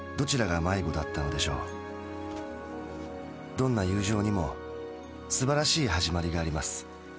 どんな友情にもすばらしいはじまりがあります。